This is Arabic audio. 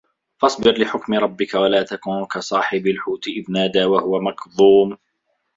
فَاصبِر لِحُكمِ رَبِّكَ وَلا تَكُن كَصاحِبِ الحوتِ إِذ نادى وَهُوَ مَكظومٌ